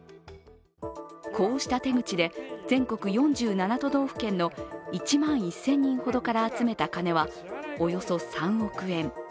こうした手口で全国４７都道府県の１万１０００人ほどから集めた金はおよそ３億円。